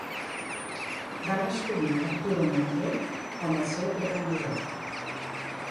Van escollir Arturo Montiel com al seu precandidat.